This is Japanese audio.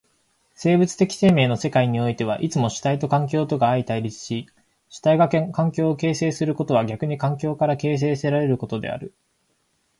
生物的生命の世界においてはいつも主体と環境とが相対立し、主体が環境を形成することは逆に環境から形成せられることである。